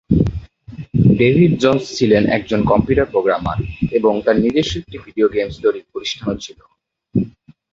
David Jones ছিলেন একজন computer programmer এবং তার নিজস্ব একটি ভিডিও গেমস তৈরির প্রতিষ্ঠান ছিল।